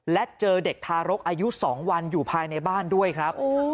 และเจอเด็กทารกอายุ๒วันอยู่ภายในบ้านด้วยครับ